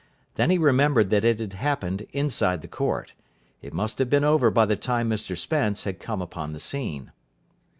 Then he remembered that it had happened inside the court. It must have been over by the time Mr Spence had come upon the scene.